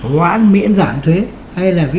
hoãn miễn giảm thuế hay là